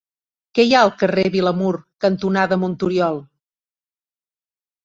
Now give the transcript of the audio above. Què hi ha al carrer Vilamur cantonada Monturiol?